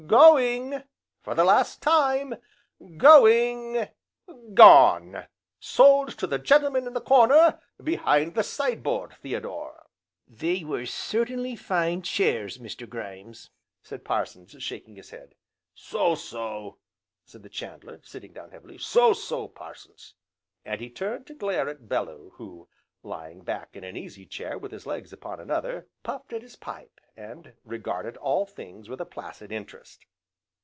going! for the last time, going! gone! Sold to the gentleman in the corner behind the side board, Theodore." "They were certainly fine chairs, Mr. Grimes!" said Parsons shaking his head. "So so!" said the Corn chandler, sitting down heavily, "So so, Parsons!" and he turned to glare at Bellew, who, lying back in an easy chair with his legs upon another, puffed at his pipe, and regarded all things with a placid interest.